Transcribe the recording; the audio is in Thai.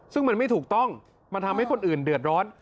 ซึ่งมันไม่ถูกต้องมันทำให้คนอื่นเดือดร้อน